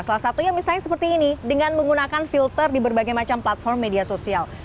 salah satunya misalnya seperti ini dengan menggunakan filter di berbagai macam platform media sosial